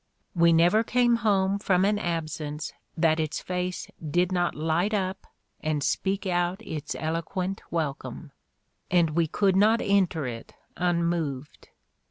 We never came home from an absence that its face did not light up and speak out its eloquent welcome — and we could not enter it unmoved."